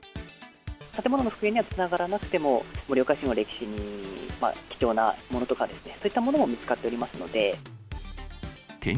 建物の復元にはつながらなくても、盛岡市の歴史に貴重なものとかですね、そういったものも見つかっておりますので。